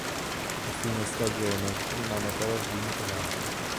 A fine stagione rimane però svincolato.